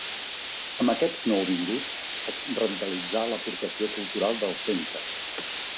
Amb aquests nouvinguts es revitalitzà l'aportació cultural del centre.